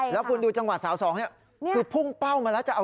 แล้วคุณดูจังหวะสาวสองเนี่ยคือพุ่งเป้ามาแล้วจะเอา